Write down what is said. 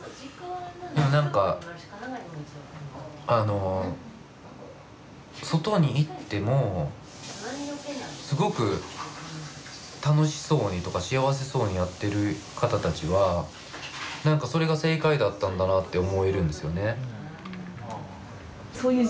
何か外にいってもすごく楽しそうにとか幸せそうにやってる方たちは何かそれが正解だったんだなって思えるんですよね。